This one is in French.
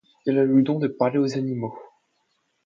Il a le don de parler aux animaux.